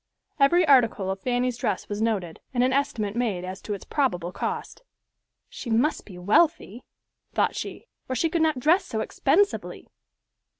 Every article of Fanny's dress was noted, and an estimate made as to its probable cost. "She must be wealthy," thought she, "or she could not dress so expensively."